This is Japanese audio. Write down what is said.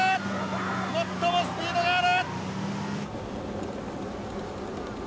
最もスピードがある！